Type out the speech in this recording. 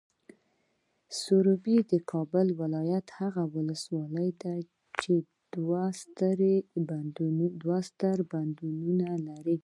سروبي، د کابل ولایت هغه ولسوالۍ ده چې دوه ستر بندونه لري.